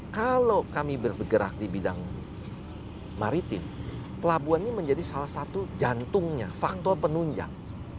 kalau kami bergerak di bidang maritim pelabuhan ini menjadi salah satu jantungnya faktor penunjang